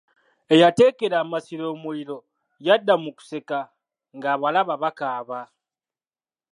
Eyateekera amasiro omuliro yadda mu kuseka ng'abalala bakaaba.